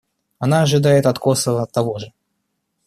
Она ожидает от Косово того же.